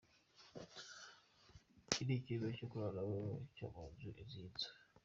Iki ni icyumba cyo kuraramo cyo muri iyi nzu!.